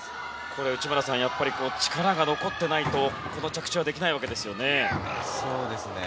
内村さん、やっぱり力が残っていないとこの着地はできないわけですよね。